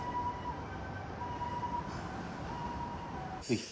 はい。